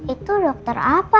itu dokter apa